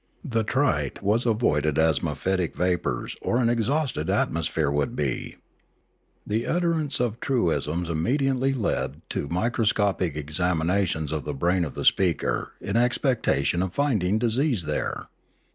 The trite was avoided as mephitic vapours or an exhausted atmosphere would be. The utterance of truisms immediately led to a microscopic examination of the brain of the speaker in expectation of finding disease there.